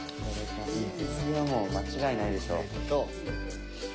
もう間違いないでしょ。